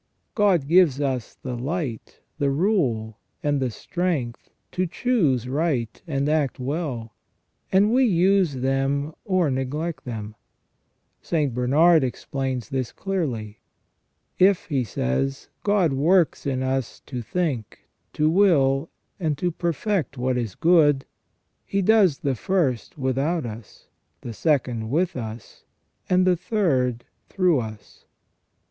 God gives us the light, the rule, and the strength to choose right and act well, and we use them or neglect them. St. Bernard explains this clearly. " If," he says, " God works in us to think, to will, and to perfect what is good. He does the first without us, the second with us, and the third through us.